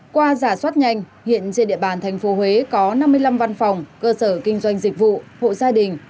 qua giả soát nhanh hiện trên địa bàn tp huế có năm mươi năm văn phòng cơ sở kinh doanh dịch vụ hộ gia đình